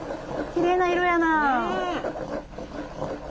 きれいな色やなあ。